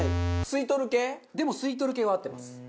吸い取る系？でも吸い取る系は合ってます。